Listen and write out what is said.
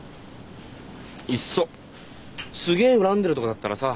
いっそすげえ恨んでるとかだったらさ